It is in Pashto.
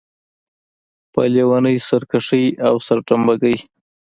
په لېونۍ سرکښۍ او سرتمبه ګۍ.